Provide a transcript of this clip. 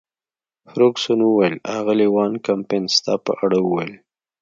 فرګوسن وویل: اغلې وان کمپن ستا په اړه ویل.